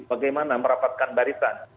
bagaimana merapatkan barisan